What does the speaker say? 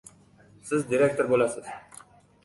— Siz direktor bo‘lasiz!